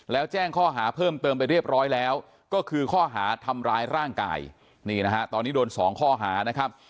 แล้วแจ้งข้อหาเพิ่มเติมไปเรียบร้อยแล้วก็คือข้อหาทำร้ายร่างกายนี่นะฮะตอนนี้โดนสองข้อหานะครับ